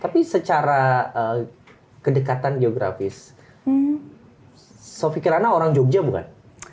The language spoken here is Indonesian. tapi secara kedekatan geografis sofi kirana orang jogja bukan